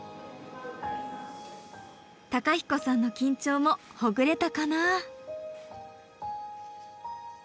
公彦さんの緊張もほぐれたかな？